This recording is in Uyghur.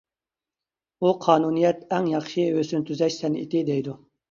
ئۇ قانۇنىيەت-ئەڭ ياخشى ھۆسن تۈزەش سەنئىتى دەيدۇ.